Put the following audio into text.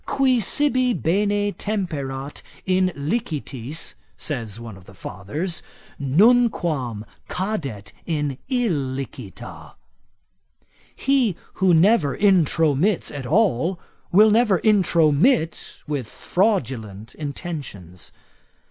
Qui sibi bene temperat in licitis, says one of the fathers, nunquam cadet in illicita. He who never intromits at all, will never intromit with fraudulent intentions.